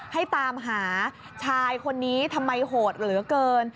ให้ตามหาชายคนนี้ทำไมโหดเหลือเกิน